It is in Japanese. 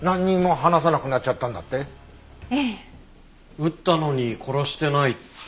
撃ったのに殺してないって。